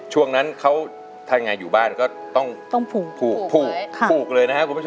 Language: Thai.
ช่วงนั้นเขาถ้ายังไงอยู่บ้านก็ต้องผูกผูกเลยนะครับคุณผู้ชม